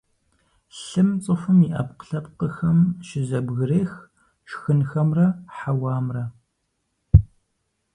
Лъым цӀыхум и Ӏэпкълъэпкъхэм щызэбгрех шхынхэмрэ хьэуамрэ.